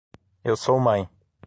Eu sou mãe.